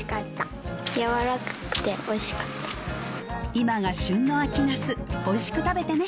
今が旬の秋なすおいしく食べてね